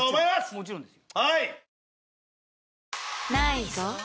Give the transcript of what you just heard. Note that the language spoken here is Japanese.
もちろんですよ。